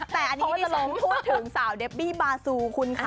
แต่อันนี้เราพูดถึงสาวเดบบี้บาซูคุณค่ะ